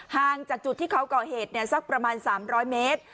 ห่างจากจุดที่เขาก่อเหตุสักประมาณ๓๐๐เมตร